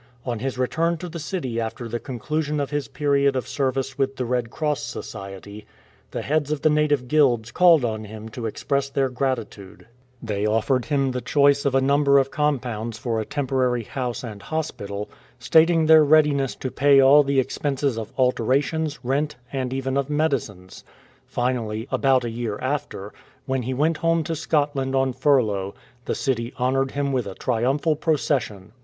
On his return to the city after the conclusion of his period of service with the Red Cross Society, the heads of the native guilds called on him to express their gratitude. They 1 See The Bravest Deed I Ever Saw (Hutchinson and Co.), p. 37. 94 THE CITY'S GRATITUDE offered him the choice of a number of compounds for a temporary house and hospital, stating their readiness to pay all the expenses of alterations, rent, and even of medicines. Finally, about a year after, when he went home to Scotland on furlough, the city honoured him with a triumphal procession.